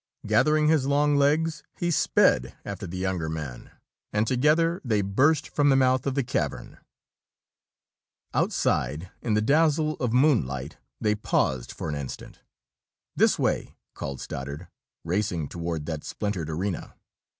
Gathering his long legs he sped after the younger man, and together they burst from the mouth of the cavern. Outside, in the dazzle of moonlight, they paused for an instant. "This way!" called Stoddard, racing toward that splintered arena.